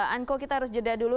anco kita harus jeda dulu